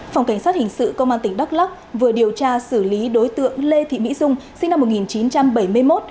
phòng cảnh sát hình sự công an tỉnh đắk lắc vừa điều tra xử lý đối tượng lê thị mỹ dung sinh năm một nghìn chín trăm bảy mươi một